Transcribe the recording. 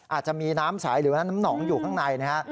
อาจจะมีน้ำสายหรือน้ำหนองอยู่ข้างใน